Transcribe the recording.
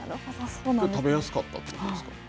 食べやすかったということです